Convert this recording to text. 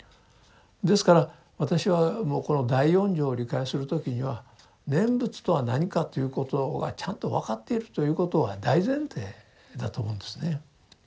ですから私はもうこの第四条を理解する時には念仏とは何かということがちゃんと分かっているということが大前提だと思うんですね。